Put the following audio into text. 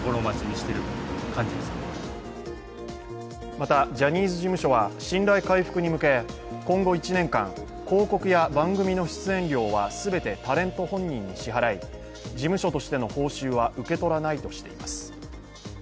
また、ジャニーズ事務所は信頼回復に向け今後１年間、広告や番組の出演料は全てタレント本人に支払い、事務所としての報酬は受け取らないとしています。